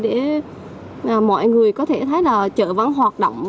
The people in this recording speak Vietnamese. để mọi người có thể thấy là chợ vẫn hoạt động